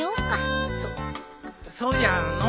そっそうじゃの。